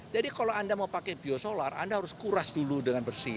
jadi kalau anda mau pakai biosolar anda harus kuras dulu dengan bersih